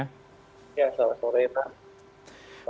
ya selamat sore pak